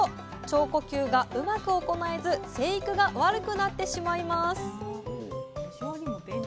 「腸呼吸」がうまく行えず成育が悪くなってしまいます